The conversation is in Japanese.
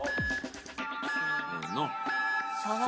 せの。